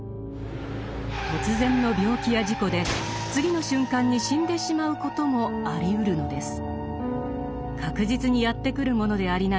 突然の病気や事故で次の瞬間に死んでしまうこともありうるのです。